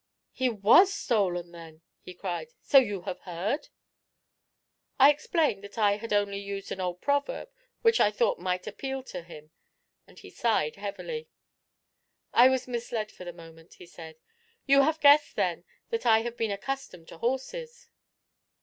'He was stolen, then,' he cried; 'so you have heard?' I explained that I had only used an old proverb which I thought might appeal to him, and he sighed heavily. 'I was misled for the moment,' he said: 'you have guessed, then, that I have been accustomed to horses?'